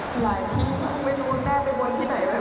หลายที่ไม่รู้ว่าแม่ไปวนที่ไหนกัน